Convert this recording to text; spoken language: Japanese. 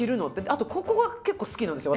あとここが結構好きなんですよ